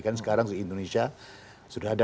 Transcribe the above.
kan sekarang di indonesia sudah ada